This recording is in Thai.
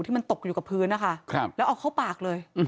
ที่มันตกอยู่กับพื้นนะคะครับแล้วเอาเข้าปากเลยอืม